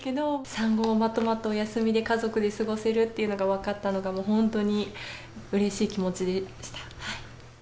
産後まとまったお休みで、家族で過ごせるっていうのが分かったのがもう本当にうれしい気持ちでした。